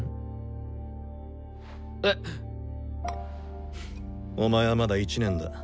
えっ？お前はまだ１年だ。